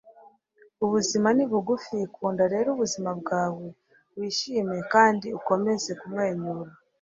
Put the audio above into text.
ubuzima ni bugufi, kunda rero ubuzima bwawe, wishime kandi ukomeze kumwenyura